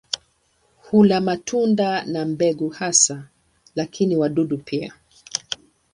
Hula matunda na mbegu hasa lakini wadudu pia.